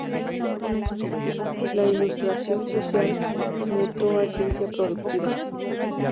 La Ilustración social mutó a ciencia productiva.